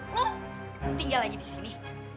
lo tinggal lagi di sini